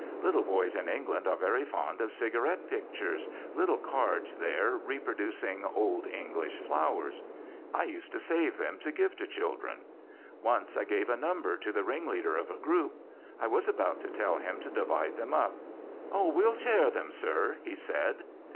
Little boys in England are very fond of cigarette pictures, little cards there reproducing "old English flowers." I used to save them to give to children. Once I gave a number to the ringleader of a group. I was about to tell him to divide them up. "Oh, we'll share them, sir," he said.